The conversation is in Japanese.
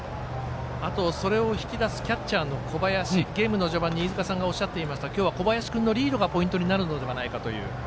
あと、それを引き出すキャッチャーの小林、ゲームの序盤に飯塚さんがおっしゃっていた今日は小林君のリードが重要になるのではないかと。